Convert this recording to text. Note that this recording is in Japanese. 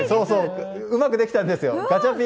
うまくできたんですよ。